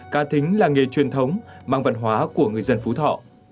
cá thính là nghề truyền thống mang văn hóa của người dân phú thọ